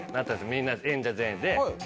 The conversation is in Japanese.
みんなで演者全員で。